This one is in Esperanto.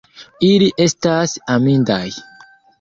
Ili estas amindaj!